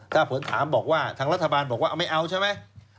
ถ้าผมถามบอกว่าทางรัฐบาลบอกว่าไม่เอาใช่ไหม